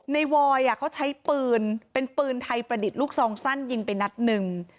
วอยเขาใช้ปืนเป็นปืนไทยประดิษฐ์ลูกซองสั้นยิงไปนัดหนึ่ง